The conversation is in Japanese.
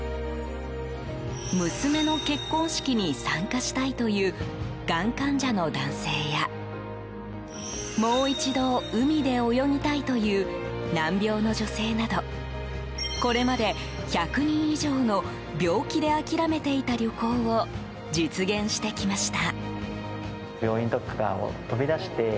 娘の結婚式に参加したいというがん患者の男性やもう一度、海で泳ぎたいという難病の女性などこれまで１００人以上の病気で諦めていた旅行を実現してきました。